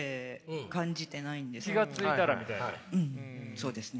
そうですね。